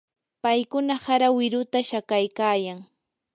paykuna hara wiruta shakaykaayan.